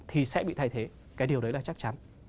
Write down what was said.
thì sẽ bị thay thế cái điều đấy là chắc chắn